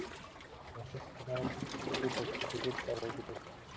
তিনি প্রথম রামায়ণ মহাকাব্য সংস্কৃত হতে নেপালি ভাষায় অনুবাদ করেন।